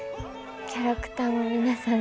キャラクターも皆さん